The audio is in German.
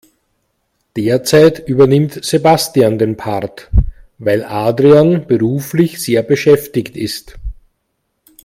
Derzeit übernimmt Sebastian den Part, weil Adrian beruflich sehr beschäftigt ist.